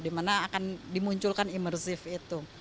dimana akan dimunculkan imersif itu